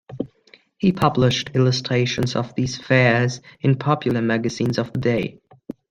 He published illustrations of these fairs in popular magazines of the day.